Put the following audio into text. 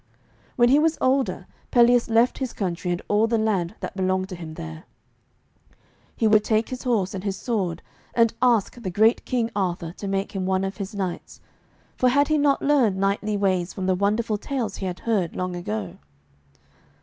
When he was older Pelleas left his country and all the land that belonged to him there. He would take his horse and his sword and ask the great King Arthur to make him one of his knights, for had he not learned knightly ways from the wonderful tales he had heard long ago?